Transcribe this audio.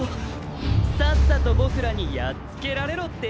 さっさと僕らにやっつけられろって？